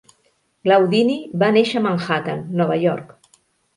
Glaudini va néixer a Manhattan, Nova York.